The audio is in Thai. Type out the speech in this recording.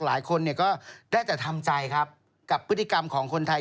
หลายคนเนี่ยก็ได้แต่ทำใจครับกับพฤติกรรมของคนไทย